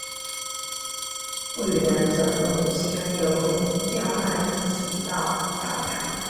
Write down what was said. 傅履仁则和母亲刘倬汉一起到了上海。